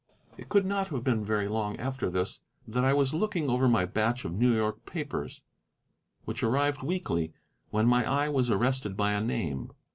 It could not have been very long after this that I was looking over my batch of New York papers, which arrived weekly, when my eye was arrested by a name.